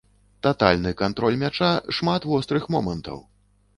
Татальны кантроль мяча, шмат вострых момантаў.